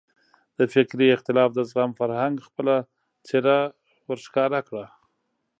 د فکري اختلاف د زغم فرهنګ خپله څېره وښکاره کړه.